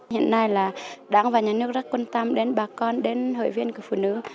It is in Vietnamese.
hiện nay là đảng và nhà nước rất quan tâm đến bà con đến hội viên của phụ nữ